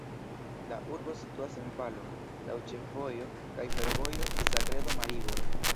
La urbo situas en valo, laŭ ĉefvojo kaj fervojo Zagrebo-Maribor.